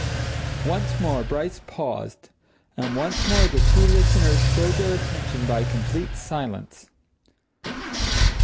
Once more Bryce paused and once more the two listeners showed their attention by complete silence.